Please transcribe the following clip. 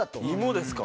芋ですか。